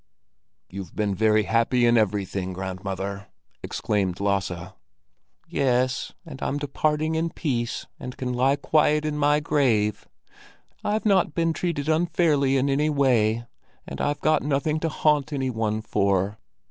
"You've been very happy in everything, grandmother," exclaimed Lasse. "Yes, and I'm departing in peace and can lie quiet in my grave. I've not been treated unfairly in any way, and I've got nothing to haunt any one for.